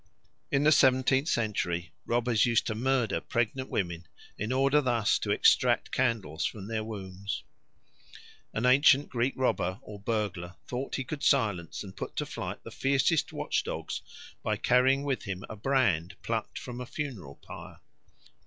In the seventeenth century robbers used to murder pregnant women in order thus to extract candles from their wombs. An ancient Greek robber or burglar thought he could silence and put to flight the fiercest watchdogs by carrying with him a brand plucked from a funeral pyre.